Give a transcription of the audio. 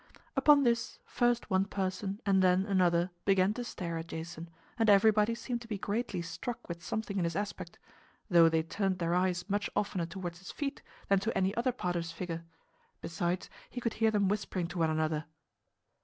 Upon this, first one person and then another began to stare at Jason, and everybody seemed to be greatly struck with something in his aspect; though they turned their eyes much oftener toward his feet than to any other part of his figure. Besides, he could hear them whispering to one another.